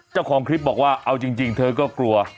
เจ้าของคลิปบอกว่าเอาจริงเธอก็กลัว